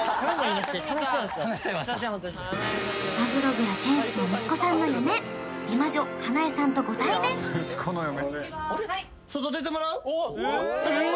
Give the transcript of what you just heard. ホントに鮪蔵店主の息子さんの嫁美魔女かなえさんとご対面外出てもらう？